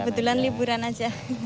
kebetulan liburan aja